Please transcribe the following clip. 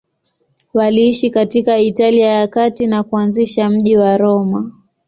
Waliishi katika Italia ya Kati na kuanzisha mji wa Roma.